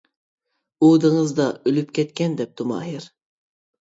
-ئۇ دېڭىزدا ئۆلۈپ كەتكەن، دەپتۇ ماھىر.